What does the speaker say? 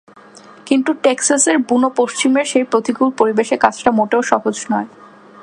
কিন্তু টেক্সাসের বুনো পশ্চিমের সেই প্রতিকূল পরিবেশে কাজটা মোটেও সহজ নয়।